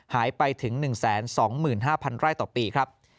หายไปถึง๑๒๕๐๐ไร่ต่อปีครับ